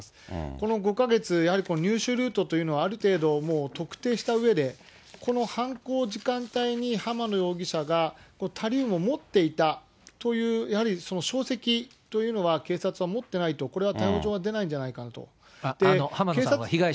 この５か月、やはり入手ルートというのはある程度、もう特定したうえで、この犯行時間帯に浜野容疑者がタリウムを持っていたという、やはり証跡というのは、警察は持ってないと、これは逮捕状は出ないんじゃないかなと。